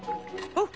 あっ！